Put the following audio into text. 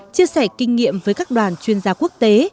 chia sẻ kinh nghiệm với các đoàn chuyên gia quốc tế